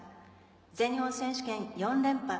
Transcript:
全日本選手権４連覇。